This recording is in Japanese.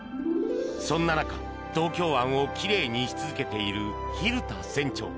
そんな中、東京湾を奇麗にし続けている蛭田船長。